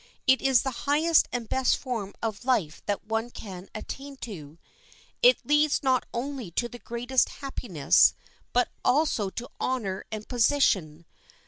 It is the highest and best form of life that one can attain to. It leads not only to the greatest happiness, but also to honor and position.